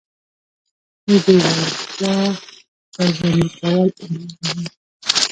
د دې وړتيا راژوندي کول علم غواړي.